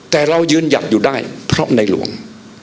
แต่เรายืนหยัดอยู่ได้เพราะในหลวง